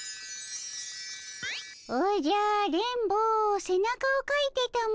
おじゃ電ボせなかをかいてたも。